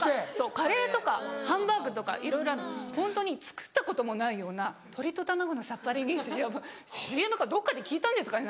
カレーとかハンバーグとかいろいろあるのにホントに作ったこともないような鶏と卵のさっぱり煮ってＣＭかどっかで聞いたんですかね？